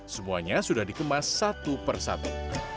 semuanya sudah dikemas satu per satu